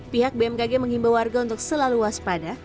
pihak bmkg menghimbau warga untuk selalu waspada